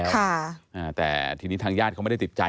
พ่อพูดว่าพ่อพูดว่าพ่อพูดว่าพ่อพูดว่า